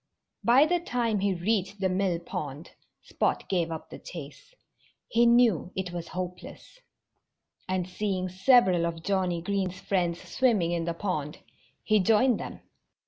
By the time he reached the mill pond Spot gave up the chase. He knew it was hopeless. And seeing several of Johnnie Green's friends swimming in the pond, he joined them.